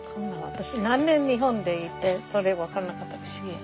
私何年日本でいてそれ分からんかったの不思議や。